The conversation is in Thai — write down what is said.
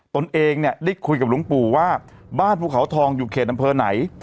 ตนเองเนี่ยได้คุยกับหลวงปู่ว่าบ้านภูเขาทองอยู่เขตอำเภอไหน